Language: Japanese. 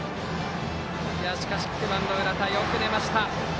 ９番の浦田、よく出ました。